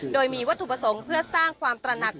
โดยมีวัตถุประสงค์เพื่อสร้างความตระหนัก